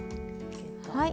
はい。